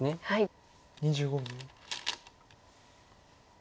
２５秒。